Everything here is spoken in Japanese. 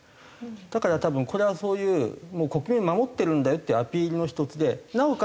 だから多分これはそういう国民を守ってるんだよっていうアピールの一つでなおかつ